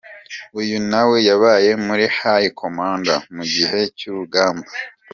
Uyu nawe yabaye muri High commande mugihe cy’urugamba.